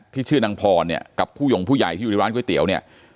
ชื่อนางพรเนี่ยกับผู้หย่งผู้ใหญ่ที่อยู่ในร้านก๋วยเตี๋ยวเนี่ย